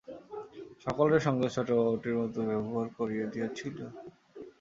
সকলের সঙ্গে ছোটবাবুটির মতো ব্যবহার শুরু করিয়া দিয়াছিল?